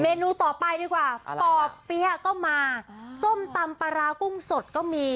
สิมีต่อไปดีกว่าอะไรละป่อเปี๊ะก็มาส้มตำปรากุ้งสดก็มี